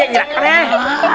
aduh pak deh